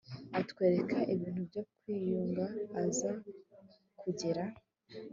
atwereka ibintu byo kwiyunga aza kugera